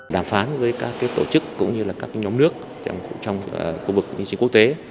đàm phán với các tổ chức cũng như các nhóm nước trong khu vực kinh tế quốc tế